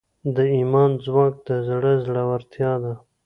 د ایمان ځواک د زړه زړورتیا ده.